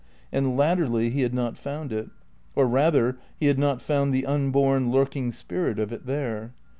And latterly he had not found it; or rather he had not found the unborn, lurking spirit of it there.